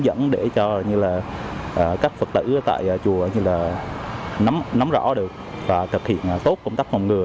gần chăm sát